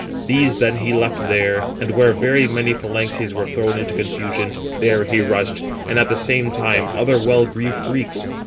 These then he left there; and where very many phalanxes were thrown into confusion, there he rushed, and at the same time other well greaved Greeks.